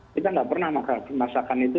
kita nggak pernah makan masakan itu